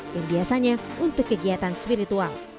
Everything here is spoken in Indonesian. yang biasanya untuk kegiatan spiritual